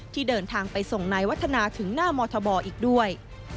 ที่เดินทางไปส่งนายวัฒนาถึงหน้ามธบอีกด้วย